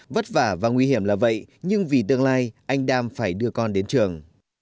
vất vả và nguy hiểm là vậy nhưng vì tương lai anh đam phải đưa con đến trường